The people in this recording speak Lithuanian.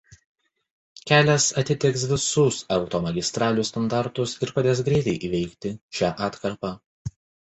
Kelias atitiks visus automagistralių standartus ir padės greitai įveikti šią atkarpą.